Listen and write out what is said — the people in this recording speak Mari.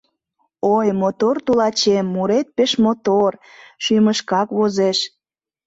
— Ой, мотор тулачем, мурет пеш мотор, шӱмышкак возеш.